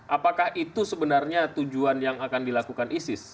apakah itu sebenarnya tujuan yang akan dilakukan isis